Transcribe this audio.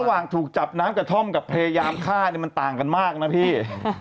ระหว่างถูกจับน้ำกระท่อมกับพยายามฆ่ามันต่างกันมากนะพี่